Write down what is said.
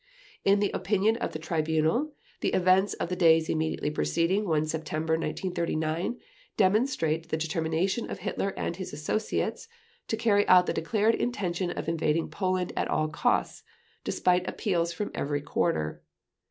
In the opinion of the Tribunal, the events of the days immediately preceding 1 September 1939 demonstrate the determination of Hitler and his associates to carry out the declared intention of invading Poland at all costs, despite appeals from every quarter.